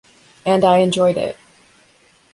And I enjoyed it.